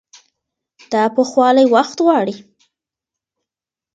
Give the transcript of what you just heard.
دا پخوالی وخت غواړي.